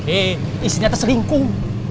eh istrinya terselingkuh